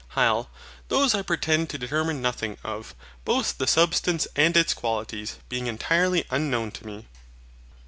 HYL. Those I pretend to determine nothing of, both the substance and its qualities being entirely unknown to me.